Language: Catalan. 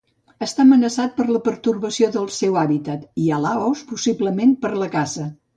Està amenaçat per la pertorbació del seu hàbitat i, a Laos, possiblement per la caça.